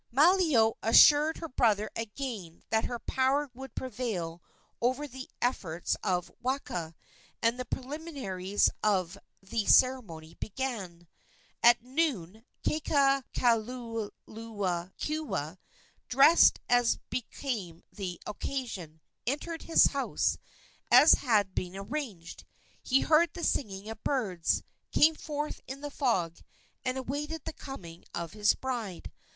Malio assured her brother again that her power would prevail over the efforts of Waka, and the preliminaries of the ceremony began. At noon Kekalukaluokewa, dressed as became the occasion, entered his house, as had been arranged. He heard the singing of birds, came forth in the fog, and awaited the coming of his bride.